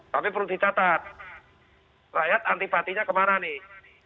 tapi perlu dicatat rakyat antipatinya kemana nih